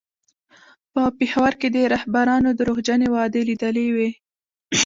په پېښور کې یې د رهبرانو درواغجنې وعدې لیدلې وې.